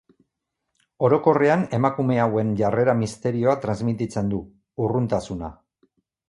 Orokorrean, emakume hauen jarrera misterioa transmititzen du, urruntasuna.